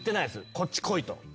こっち来いと。